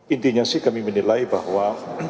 intinya sih kami menilai bahwa